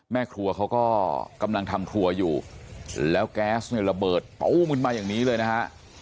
แม่ครัวเขาก็กำลังทำครัวอยู่แล้วแก๊สเนี่ยระเบิดตู้มขึ้นมาอย่างนี้เลยนะฮะ